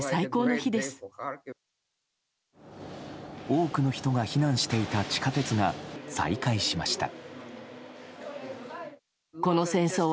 多くの人が避難していた地下鉄が再開しました。